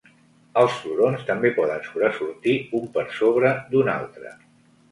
Els florons també poden sobresortir un per sobre d'un altre.